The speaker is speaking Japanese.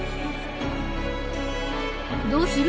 どうする？